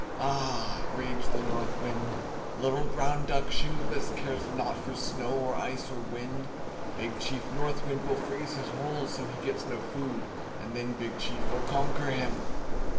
*'Ah!" raged the North Wind "Little brown duck, Shingebiss, cares not for snow or ice or wind! Big Chief North Wind, will freeze his holes, so he gets no food and then Big Chief will conquer him."